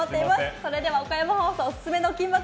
それでは岡山放送オススメの「金バク！」